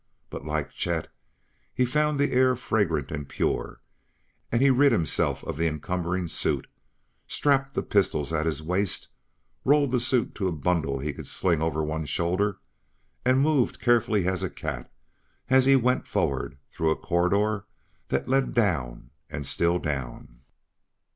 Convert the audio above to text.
But, like Chet, he found the air fragrant and pure, and he rid himself of the encumbering suit, strapped the pistols at his waist, rolled the suit to a bundle he could sling over one shoulder, and moved carefully as a cat as he went forward through a corridor that led down and still down.